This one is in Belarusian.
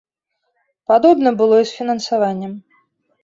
Падобна было і з фінансаваннем.